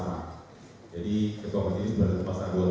jadi ketua persidangan ini sudah terpasang